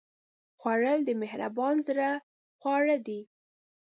خوړل د مهربان زړه خواړه دي